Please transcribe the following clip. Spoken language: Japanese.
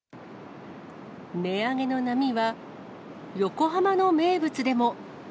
値上げの波は、横浜の名物でも。